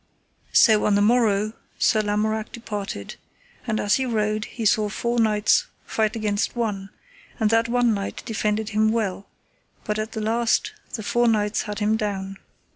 So on the morrow Sir Lamorak departed; and as he rode he saw four knights fight against one, and that one knight defended him well, but at the last the four knights had him down.